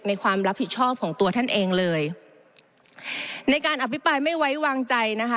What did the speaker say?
ความรับผิดชอบของตัวท่านเองเลยในการอภิปรายไม่ไว้วางใจนะคะ